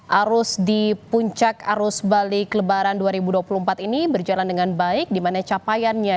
hai arus di puncak arus balik lebaran dua ribu dua puluh empat ini berjalan dengan baik dimana capaiannya